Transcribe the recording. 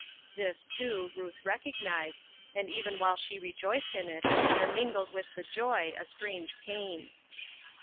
This, too, Ruth recognized, and even while she rejoiced in it, there mingled with the joy a strange pain.